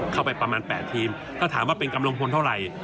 เข้าไปประมาณ๘ทีมถ้าถามว่าเป็นกำลังพลเท่าไหร่